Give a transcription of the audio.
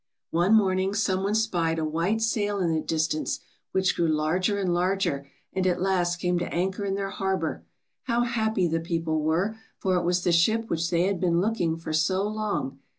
77 '^One morning some one spied a white sail in the distance, which grew larger and larger, and at last came to anchor in their harbor. How happy the people were, for it was the ship which they had been looking for so long.